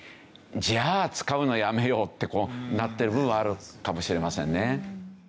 じゃあ使うのやめようってこうなってる部分はあるかもしれませんね。